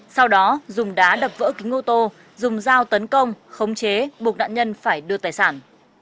sau đó dùng đá đập vỡ kính ô tô dùng dao tấn công khống chế buộc nạn nhân phải đưa tài sản